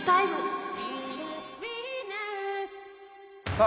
さあ